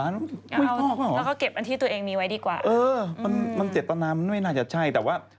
แล้วก็เก็บอันที่ตัวเองมีไว้ดีกว่าเออมันมันเจตนามันไม่น่าจะใช่แต่ว่า